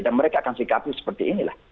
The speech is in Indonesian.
dan mereka akan sikapin seperti inilah